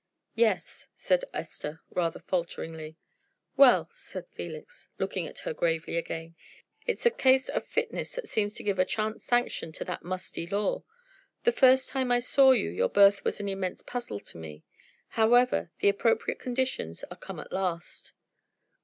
"Yes," said Esther, rather falteringly. "Well," said Felix, looking at her gravely again, "it's a case of fitness that seems to give a chance sanction to that musty law. The first time I saw you your birth was an immense puzzle to me. However, the appropriate conditions are come at last."